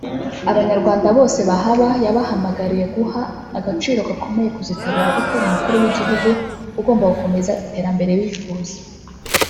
Abanyarwanda bose bahaba yabahamagariye guha agaciro gakomeye kuzitabira gutora Umukuru w’Igihugu ugomba gukomeza iterambere bifuza